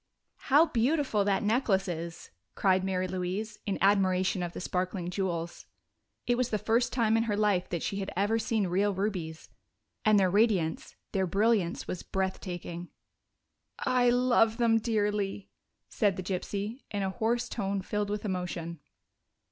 "How beautiful that necklace is!" cried Mary Louise, in admiration of the sparkling jewels. It was the first time in her life that she had ever seen real rubies, and their radiance, their brilliance, was breath taking. "I love them dearly," said the gypsy, in a hoarse tone, filled with emotion.